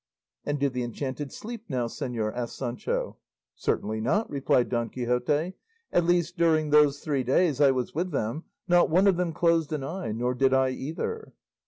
"And do the enchanted sleep, now, señor?" asked Sancho. "Certainly not," replied Don Quixote; "at least, during those three days I was with them not one of them closed an eye, nor did I either."